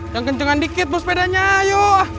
yang kenceng dikit bus pedanya ayo